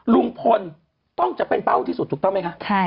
ลุงพลต้องจะเป็นเป้าที่สุดถูกต้องไหมคะ